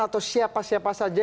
atau siapa siapa saja